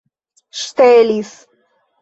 ŝtelis